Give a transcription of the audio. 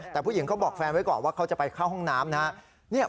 แต่ผู้หญิงเขาบอกแฟนไว้ก่อนว่าเขาจะไปเข้าห้องน้ำนะครับ